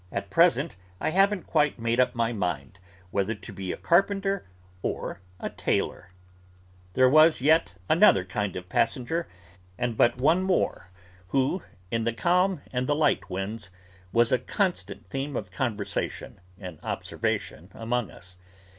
At present I haven't quite made up my mind whether to be a carpenter—or a tailor.' There was yet another kind of passenger, and but one more, who, in the calm and the light winds, was a constant theme of conversation and observation among us.